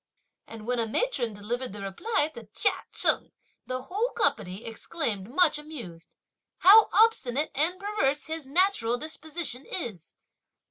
and when a matron delivered the reply to Chia Cheng; the whole company exclaimed much amused: "How obstinate and perverse his natural disposition is!"